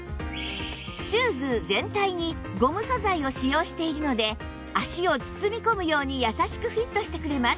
シューズ全体にゴム素材を使用しているので足を包み込むように優しくフィットしてくれます